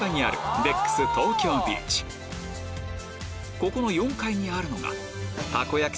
ここの４階にあるのがたこ焼き